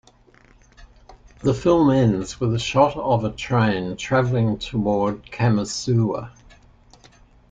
The film ends with a shot of a train traveling toward Kamisuwa.